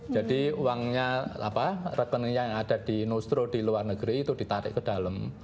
jadi uangnya reteningnya yang ada di nostro di luar negeri itu ditarik ke dalam